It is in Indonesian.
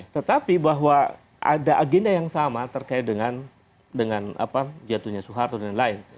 tetapi bahwa ada agenda yang sama terkait dengan jatuhnya soeharto dan lain lain